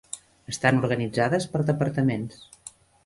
Estan organitzades per departaments.